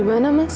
kita dimana mas